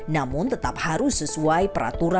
namun tetap harus sesuai peraturan